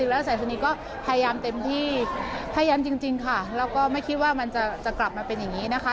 แล้วสายสนีก็พยายามเต็มที่พยายามจริงค่ะแล้วก็ไม่คิดว่ามันจะกลับมาเป็นอย่างนี้นะคะ